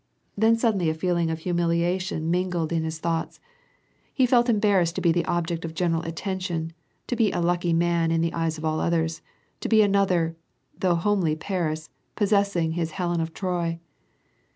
Then suddenly a feeling of humiliation mingled in his 254 ^VAR AND PEACE, thoughts. He felt embarrassed to be the object of general attention, to be " a lucky man •' in the eyes of all others, to be another, though homely Paris, possessing his Helen of Troy.